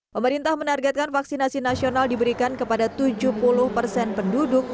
pemerintah menargetkan vaksinasi nasional diberikan kepada tujuh puluh persen penduduk